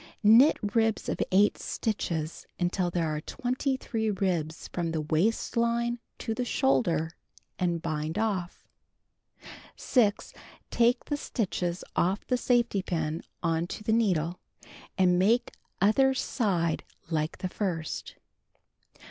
Knit ribs of 8 stitches until tiiere an; 23 ribs from the waist line to the shoulder, and bind ofT. 6. Take the stitches off the safety pin on to the needle; and make other side like the first.